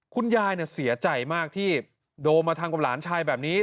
คุณยายเสียใจมากที่โดมมาทำกับหลานชายแบบนี้